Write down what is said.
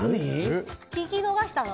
聞き逃したの？